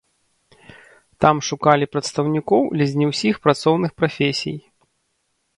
Там шукалі прадстаўнікоў ледзь не ўсіх працоўных прафесій.